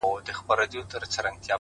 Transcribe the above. د کافي لوګی د سهار فضا نرموي